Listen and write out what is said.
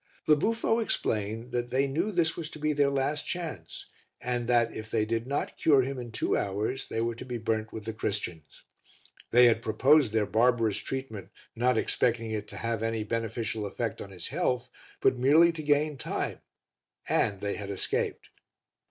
The buffo explained that they knew this was to be their last chance, and that if they did not cure him in two hours they were to be burnt with the Christians. They had proposed their barbarous treatment not expecting it to have any beneficial effect on his health but merely to gain time, and they had escaped.